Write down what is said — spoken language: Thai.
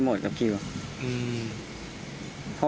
ตรวจสอบครูบา